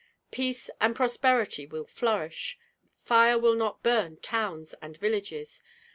Peace and prosperity will flourish; fire will not burn towns and villages.